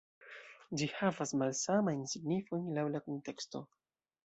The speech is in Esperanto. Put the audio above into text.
Ĝi havas malsamajn signifojn laŭ la kunteksto.